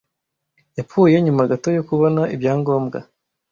Yapfuye nyuma gato yo kubona ibyangombwa.